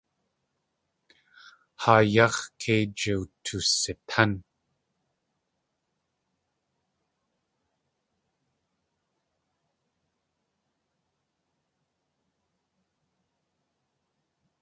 Haa yáx̲ kei jiwtusitán.